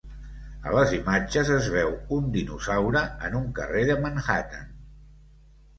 A les imatges es veu un dinosaure en un carrer de Manhattan.